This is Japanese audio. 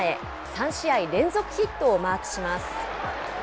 ３試合連続ヒットをマークします。